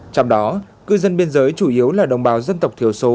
trong đó cư dân biên giới chủ yếu là đồng bào dân tộc thiếu số thiếu việc làm